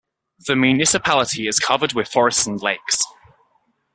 The municipality is covered with forests and lakes.